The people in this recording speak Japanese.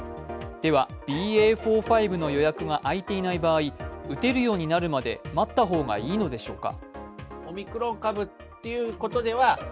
ではＢＡ．４−５の予約が空いていない場合、打てるようになるまで待った方がいいのでしょうか。